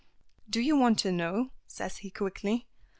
"Do you want to know?" says he quickly.